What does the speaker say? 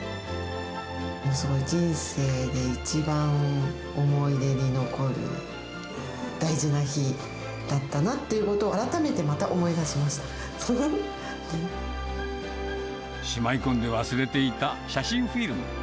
すごい、人生で一番思い出に残る大事な日だったなということを、しまい込んで忘れていた写真フィルム。